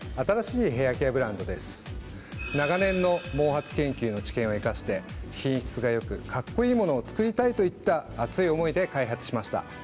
長年の毛髪研究の知見を生かして品質が良くカッコいいものを作りたいといった熱い思いで開発しました。